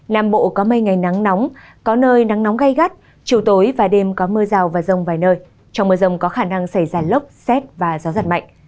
nam bộ có mây ngày nắng nóng có nơi nắng nóng gai gắt chiều tối và đêm có mưa rào và rông vài nơi trong mưa rông có khả năng xảy ra lốc xét và gió giật mạnh